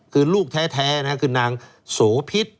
คือลูกแท้คือนางโสพิษ